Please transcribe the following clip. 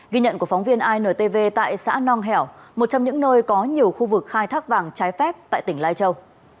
ghi nhận của phóng viên intv tại xã nong hẻo một trong những nơi có nhiều khu vực khai thác vàng trái phép tại tỉnh lai châu